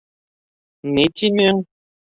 Ни тинең?